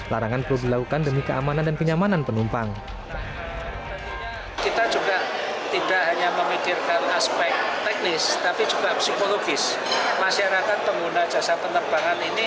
larangan perlu dilakukan demi keamanan dan keamanan yang harus dilakukan untuk memiliki keamanan yang baik